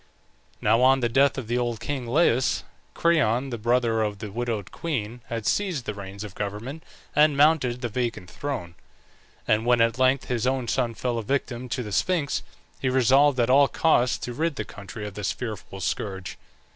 Now on the death of the old king Laius, Creon, the brother of the widowed queen, had seized the reins of government and mounted the vacant throne; and when at length his own son fell a victim to the Sphinx, he resolved at all costs to rid the country of this fearful scourge.